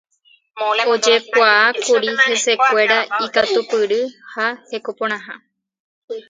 Ojekuaákuri hesekuéra ikatupyry ha hekoporãha.